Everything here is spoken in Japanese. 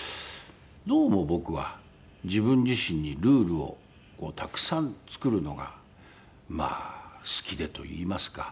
どうも僕は自分自身にルールをたくさん作るのがまあ好きでといいますか。